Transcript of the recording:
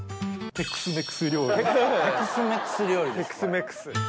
テクスメクス。